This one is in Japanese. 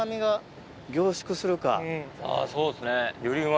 あぁそうですね。